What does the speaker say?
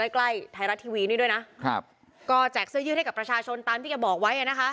ใกล้ไทยรัฐทีวีนี่ด้วยนะครับก็แจกเสื้อยืดให้กับประชาชนตามที่แกบอกไว้นะคะ